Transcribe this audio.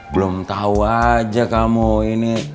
belum tahu aja kamu ini